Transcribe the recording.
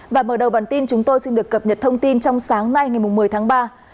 và mở đầu bản tin chúng tôi xin được cập nhật thông tin trong sáng nay ngày một mươi tháng ba